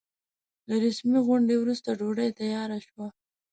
له رسمي غونډې وروسته ډوډۍ تياره شوه.